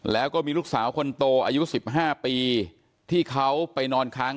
แล้วก็มีลูกสาวคนโตอายุ๑๕ปีที่เขาไปนอนค้าง